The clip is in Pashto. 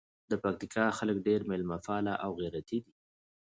د پکتیکا خلګ ډېر میلمه پاله او غیرتي دي.